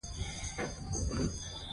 ده د خپل پلار ناتمام ماموریت یادوي.